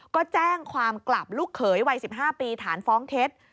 ก็แจ้งความกลับลูกเขยวัย๑๕ปีฐานฟ้องเท็จ